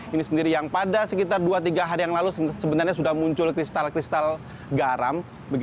ini sendiri yang pada sekitar dua tiga hari yang lalu sebenarnya sudah muncul kristal kristal garam